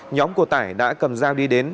nhóm của tải đã cầm dao đi đến